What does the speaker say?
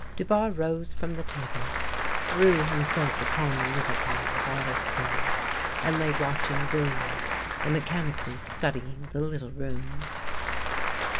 Dubarre rose from the table, threw himself upon the little pile of otter skins, and lay watching Villiard and mechanically studying the little room.